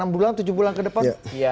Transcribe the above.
enam bulan tujuh bulan kedepan